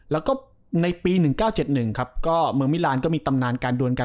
แล้วก็ในปี๑๙๗๑ครับก็เมืองมิลานก็มีตำนานการดวนกัน